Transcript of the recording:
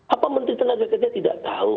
apa menteri tenaga kerja tidak tahu